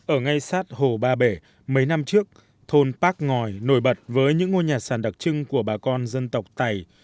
ở ngay sát hồ ba bể mấy năm trước thôn bác ngòi nổi bật với những ngôi nhà sàn đặc trưng của bà con dân tộc tày